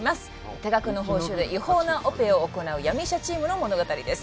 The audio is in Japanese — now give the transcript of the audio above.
多額の報酬で違法なオペを行う闇医者チームの物語です